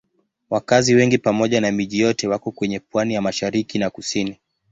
Wakazi wengi pamoja na miji yote wako kwenye pwani ya mashariki na kusini.